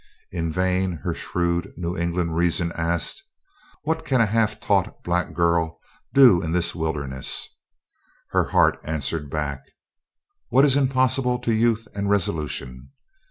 In vain her shrewd New England reason asked: "What can a half taught black girl do in this wilderness?" Her heart answered back: "What is impossible to youth and resolution?"